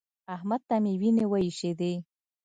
احمد ته مې وينې وايشېدې.